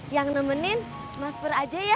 yang nemenin mas per aja ya